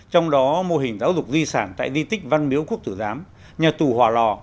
trong đó mô hình giáo dục di sản tại di tích văn miếu quốc tử giám nhà tù hòa lò